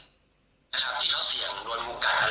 มันก็เหมือนคนที่เสี่ยงสำหรับผู้สังคมแล้วก็ต้องมาเจอเรื่องแบบนี้